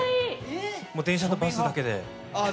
電車やバスだけで。